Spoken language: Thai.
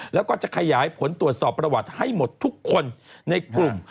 แล้วก็จะขยายผลตรวจสอบประวัติให้หมดทุกคนในกลุ่ม